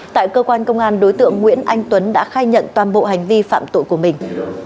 tại cơ quan công an đối tượng nguyễn anh tuấn đã khai nhận toàn bộ hành vi phạm tội của mình